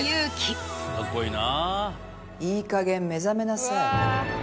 いいかげん目覚めなさい。